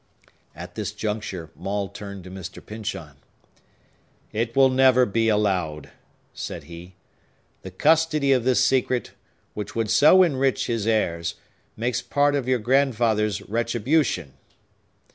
At this juncture, Maule turned to Mr. Pyncheon. "It will never be allowed," said he. "The custody of this secret, that would so enrich his heirs, makes part of your grandfather's retribution.